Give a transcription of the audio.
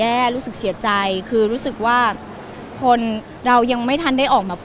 ไอ้หนูครับหายแก้วเครื่องต่อสู่ไอพวกเราขึ้นอีกทนะครับ